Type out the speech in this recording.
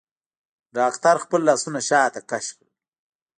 ډاکتر خپل لاسونه شاته کښ کړل.